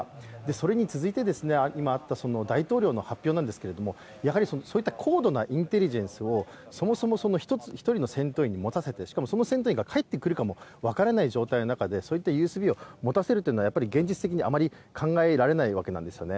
それに続いて、今あった大統領の発表ですがそういった高度なインテリジェンスをそもそも一人の戦闘員に持たせてしかもその戦闘員が帰ってくるか分からない状態の中で、そういったＵＳＢを持たせるというのは、現実的にはあまり考えられないんですね。